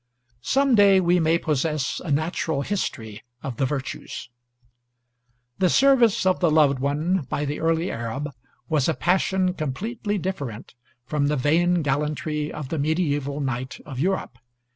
Some day we may possess a natural history of the virtues. The service of the loved one by the early Arab was a passion completely different from the vain gallantry of the mediæval knight of Europe.